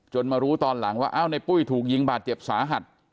มารู้ตอนหลังว่าอ้าวในปุ้ยถูกยิงบาดเจ็บสาหัส